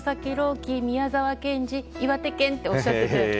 希宮沢賢治、岩手県とおっしゃってて。